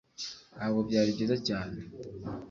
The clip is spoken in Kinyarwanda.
ntabwo byari byiza cyane